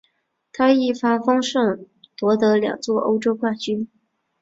他一帆风顺并夺得两座欧洲冠军。